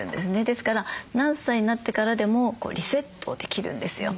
ですから何歳になってからでもリセットできるんですよ。